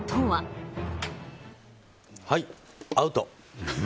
はい、アウト！